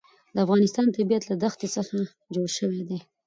د افغانستان طبیعت له دښتې څخه جوړ شوی دی.